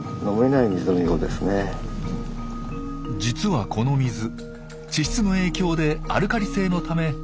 実はこの水地質の影響でアルカリ性のため飲めません。